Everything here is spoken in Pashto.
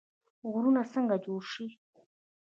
غرونه څنګه جوړ شوي؟